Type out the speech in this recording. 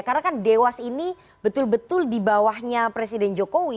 karena kan dewas ini betul betul di bawahnya presiden jokowi